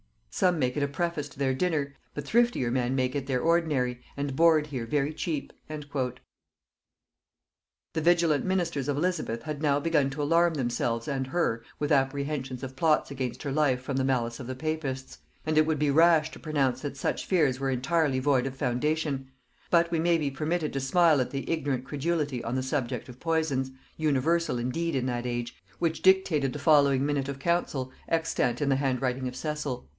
Some make it a preface to their dinner, but thriftier men make it their ordinary, and board here very cheap." The vigilant ministers of Elizabeth had now begun to alarm themselves and her with apprehensions of plots against her life from the malice of the papists; and it would be rash to pronounce that such fears were entirely void of foundation; but we may be permitted to smile at the ignorant credulity on the subject of poisons, universal indeed in that age, which dictated the following minute of council, extant in the handwriting of Cecil.